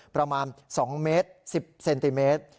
ประมาณ๒เมตร๑๐เซนติเมตร